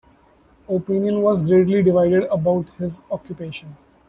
Opinion was greatly divided about his occupation.